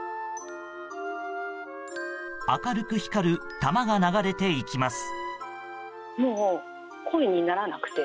明るく光る球が流れていきます。